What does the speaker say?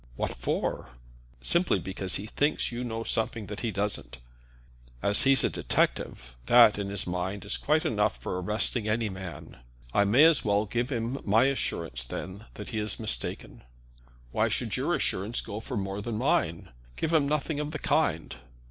"What for?" "Simply because he thinks you know something that he doesn't know. As he's a detective, that, in his mind, is quite enough for arresting any man. I may as well give him my assurance, then, that he is mistaken." "Why should your assurance go for more than mine? Give him nothing of the kind."